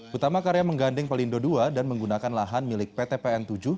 hutama akaria mengganding pelindo ii dan menggunakan lahan milik ptpn tujuh